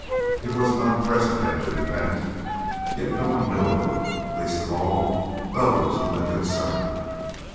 It was an unprecedented event, yet no one knew of it, least of all those whom it concerned.